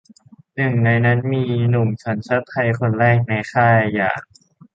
หนึ่งในนั้นมีหนุ่มสัญชาติไทยคนแรกในค่ายอย่าง